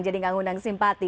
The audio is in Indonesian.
jadi gak ngundang simpati